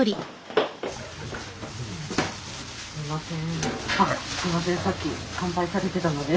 すみません。